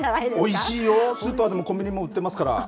おいしいよ、スーパーでもコンビニでも売ってますから。